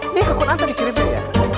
ini kekuatan dikirimnya ya